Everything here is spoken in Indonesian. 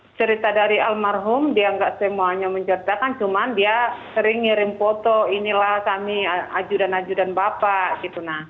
kalau cerita dari almarhum dia nggak semuanya menceritakan cuman dia sering ngirim foto inilah kami aju dan aju dan bapak